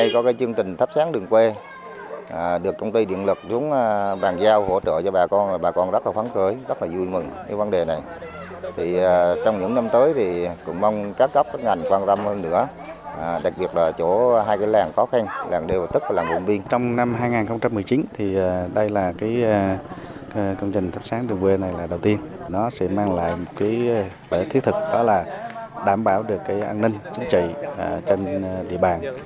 công trình thắp sáng đường quê này là đầu tiên nó sẽ mang lại một cái thiết thực đó là đảm bảo được cái an ninh chính trị trên địa bàn